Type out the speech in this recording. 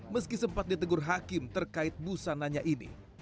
meski sempat ditegur hakim terkait busananya ini